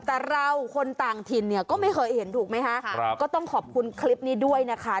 แต่เราคนต่างถิ่นเนี่ยก็ไม่เคยเห็นถูกไหมคะก็ต้องขอบคุณคลิปนี้ด้วยนะคะ